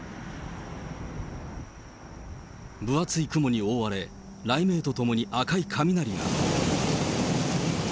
分厚い雲に覆われ、雷鳴とともに赤い雷が。